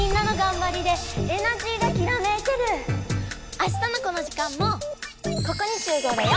あしたのこの時間もここにしゅう合だよ！